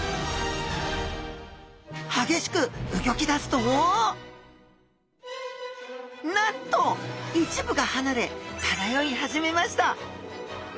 激しくうギョき出すとなんと一部がはなれ漂い始めました！